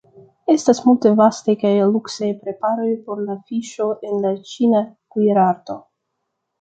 Estas multe vastaj kaj luksaj preparoj por la fiŝo en la ĉina kuirarto.